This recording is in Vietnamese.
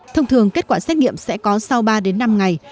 thông thường kết quả xét nghiệm sẽ có sau ba năm ngày